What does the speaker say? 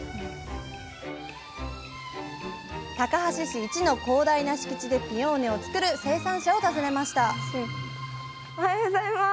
高梁市イチの広大な敷地でピオーネを作る生産者を訪ねましたおはようございます。